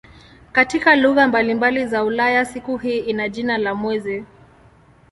Katika lugha mbalimbali za Ulaya siku hii ina jina la "mwezi".